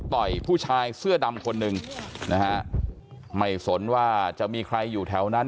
ผู้ชายเสื้อดำคนหนึ่งนะฮะไม่สนว่าจะมีใครอยู่แถวนั้น